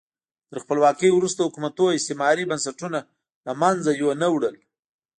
تر خپلواکۍ وروسته حکومتونو استعماري بنسټونه له منځه یو نه وړل.